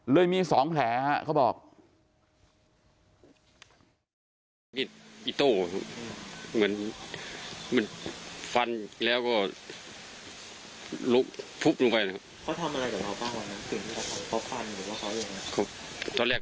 เลยมีสองแผลค่ะเขาบอก